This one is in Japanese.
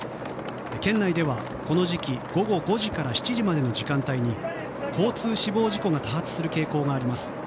県内では、この時期午後５時から７時までの時間帯に交通死亡事故が多発する傾向があります。